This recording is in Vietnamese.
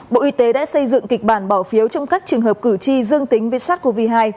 bộ y tế đã xây dựng kịch bản bỏ phiếu trong các trường hợp cử tri dương tính với sars cov hai